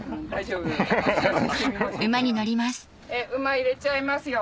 馬入れちゃいますよ。